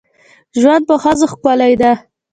ژوند په ښځو ښکلی ده.